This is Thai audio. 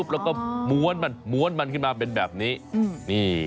แล้วก็ม้วนมันขึ้นมาเป็นแบบนี้